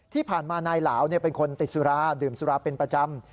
ที่ผ่านมานายเหลาเป็นคนติดสุราดื่มสุราเป็นประจำ